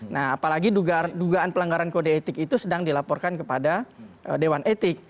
nah apalagi dugaan pelanggaran kode etik itu sedang dilaporkan kepada dewan etik